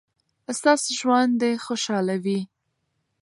ستاسو ژوند دې خوشحاله وي.